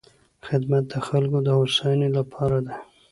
خدمت د خلکو د هوساینې لپاره دی.